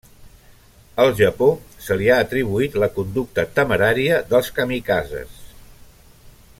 Al Japó, se li ha atribuït la conducta temerària dels kamikazes.